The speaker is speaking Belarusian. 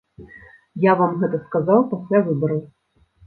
Я вам гэта сказаў пасля выбараў.